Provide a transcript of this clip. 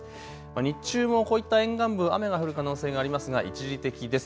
日中もこういった沿岸部、雨が降る可能性がありますが一時的です。